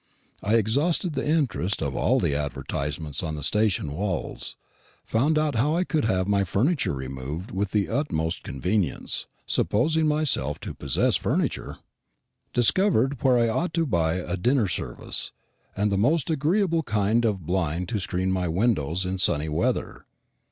I exhausted the interest of all the advertisements on the station walls; found out how I could have my furniture removed with the utmost convenience supposing myself to possess furniture; discovered where I ought to buy a dinner service, and the most agreeable kind of blind to screen my windows in sunny weather.